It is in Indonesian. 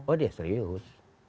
oh ya serius